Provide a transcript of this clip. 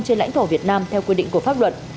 trên lãnh thổ việt nam theo quy định của pháp luật